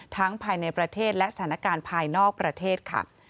ภายในประเทศและสถานการณ์ภายนอกประเทศค่ะ